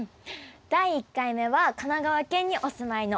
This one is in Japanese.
第１回目は神奈川県にお住まいの小野さんです。